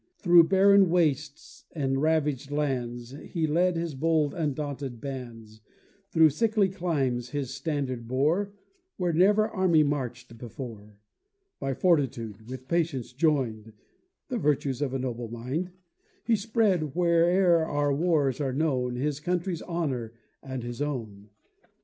Through barren wastes and ravag'd lands He led his bold undaunted bands, Through sickly climes his standard bore Where never army marched before: By fortitude, with patience join'd (The virtues of a noble mind), He spread, where'er our wars are known, His country's honor and his own.